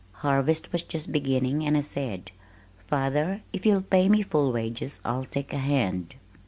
Harvest was just beginning, and I said, "Father, if you'll pay me full wages, I'll take a hand."